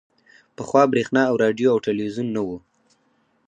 پخوا برېښنا او راډیو او ټلویزیون نه وو